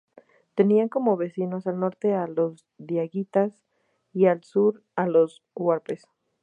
Tenían como vecinos, al norte a los diaguitas y al sur a los huarpes.